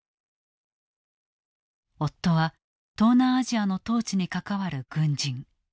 夫は東南アジアの統治に関わる軍人。